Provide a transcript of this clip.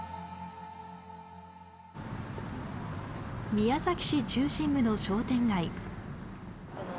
宮崎市中心部の商店街。